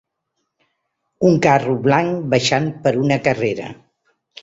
Un carro blanc baixant per una carrera.